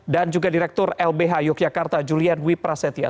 dan juga direktur lbh yogyakarta julian wiprasetia